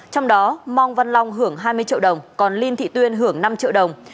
trong đó mong văn long hưởng hai mươi triệu đồng còn linh thị tuyên hưởng năm triệu đồng